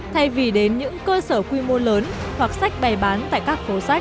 thay vì đến những cơ sở quy mô lớn hoặc sách bày bán tại các phố sách